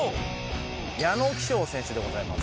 矢野貴章選手でございます。